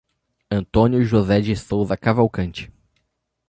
Antônio José de Sousa Cavalcante